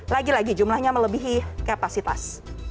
lagi lagi jumlahnya melebihi kapasitas